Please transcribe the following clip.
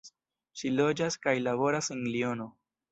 Ŝi loĝas kaj laboras en Liono.